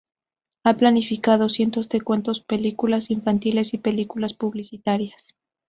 Ha planificado cientos de cuentos, películas infantiles y películas publicitarias.